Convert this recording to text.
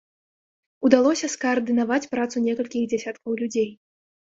Удалося скаардынаваць працу некалькіх дзясяткаў людзей.